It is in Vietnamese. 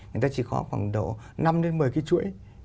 người ta chỉ có khoảng độ năm đến một mươi cái chuỗi